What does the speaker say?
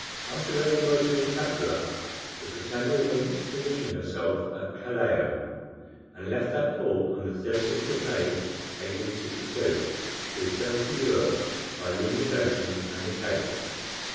After reconnoitering Papua, the BRITANNIA went to provision herself at Callao, and left that port on the 30th of May, 1862, to return to Europe by the Indian Ocean and the Cape.